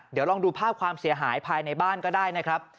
เดี๋ยวลองดูภาพความเสียหายภายในบ้านก็ได้นะครับ